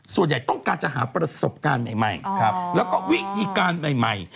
ส่วนใหญ่ต้องการจะหาประสบการณ์ใหม่แล้วก็วิธีการใหม่